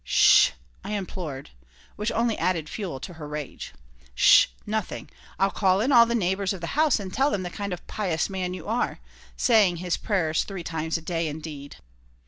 "'S sh," I implored. Which only added fuel to her rage "'S sh nothing! I'll call in all the neighbors of the house and tell them the kind of pious man you are. Saying his prayers three times a day, indeed!"